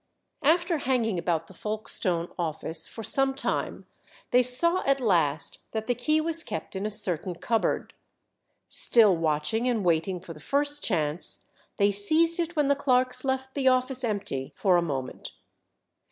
After hanging about the Folkestone office for some time, they saw at last that the key was kept in a certain cupboard. Still watching and waiting for the first chance, they seized it when the clerks left the office empty for a moment.